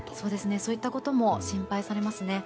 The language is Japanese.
そういったことも心配されますね。